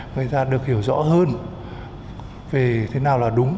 người ta được hiểu rõ hơn về thế nào là đúng